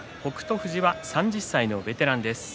富士は３０歳のベテランです。